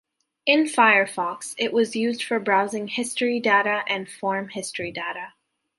In Firefox, it was used for browsing history data and form history data.